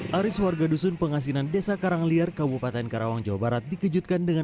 hai aris warga dusun pengasinan desa karangliar kabupaten karawang jawa barat dikejutkan dengan